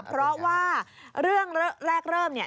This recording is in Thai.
เพราะว่าเรื่องแรกเริ่มเนี่ย